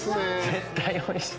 絶対おいしい！